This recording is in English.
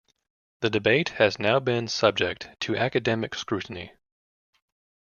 The debate has now been subject to academic scrutiny.